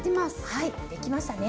はいできましたね！